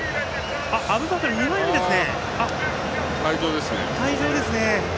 アブバカル、２枚目ですね。